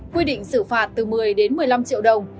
quy định xử phạt từ một mươi đến một mươi năm triệu đồng